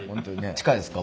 近いですか？